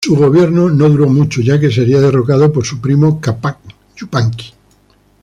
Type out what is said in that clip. Su gobierno no duro mucho ya que sería derrocado por su primo Cápac Yupanqui.